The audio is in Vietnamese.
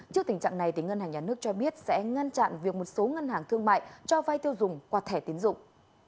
trước tình trạng này ngân hàng nhà nước cho biết sẽ ngăn chặn việc một số ngân hàng thương mại cho vai tiêu dùng qua thẻ tiến dụng